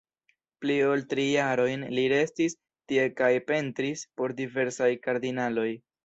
Pli ol tri jarojn li restis tie kaj pentris por diversaj kardinaloj.